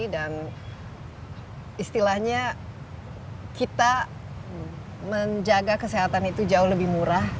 dan istilahnya kita menjaga kesehatan itu jauh lebih murah